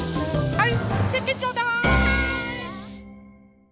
はい。